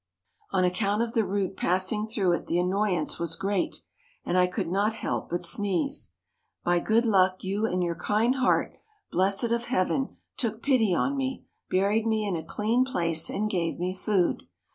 On account of the root passing through it the annoyance was great, and I could not help but sneeze. By good luck you and your kind heart, blessed of Heaven, took pity on me, buried me in a clean place and gave me food.